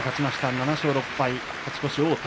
７勝６敗、勝ち越し王手。